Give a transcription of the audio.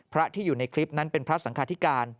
พระที่อยู่ในคลิปนั้นเป็นพระสังคาธิการ